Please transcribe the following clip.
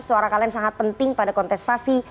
suara kalian sangat penting pada kontestasi